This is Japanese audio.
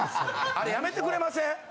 あれやめてくれません？